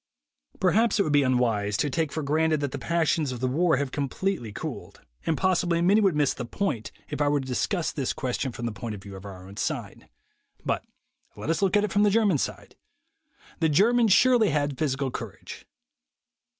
Perhaps it would be unwise to take for granted that the passions of the war have completely cooled, and possibly many would miss the point if I were THE WAY TO WILL POWER 157 to discuss this question from the point of view of our own side. But let us look at it from the Ger man side. The Germans surely had physical cour age.